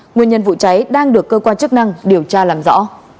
nguyên nhân vụ cháy đang được cơ quan chức năng điều tra làm rõ